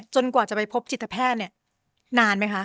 กว่าจะไปพบจิตแพทย์เนี่ยนานไหมคะ